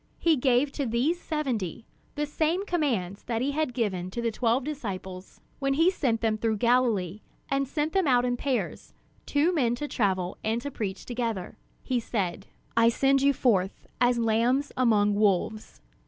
He gave to these seventy the same commands that he had given to the twelve disciples when he sent them through Galilee, and sent them out in pairs, two men to travel and to preach together. He said: "I send you forth as lambs among wolves.